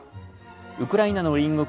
ウクライナの隣国